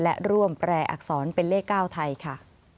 และร่วมแปรอักษรเป็นเลข๙ไทยค่ะ